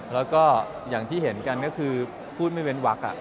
แล้วก็อย่างที่เห็นกันก็คือพูดไม่เว้นวัก